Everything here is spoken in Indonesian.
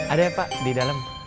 ada ya pak di dalem